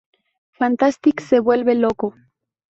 Fantastic se vuelve loco.